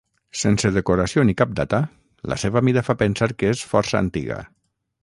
Sense decoració ni cap data, la seva mida fa pensar que és força antiga.